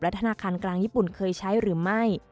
ธนาคารกลางญี่ปุ่นเคยใช้หรือไม่